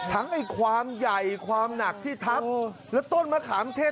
ไอ้ความใหญ่ความหนักที่ทับแล้วต้นมะขามเทศ